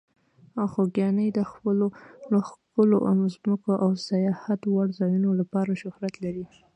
خوږیاڼي د خپلو ښکلو ځمکو او سیاحت وړ ځایونو لپاره شهرت لري.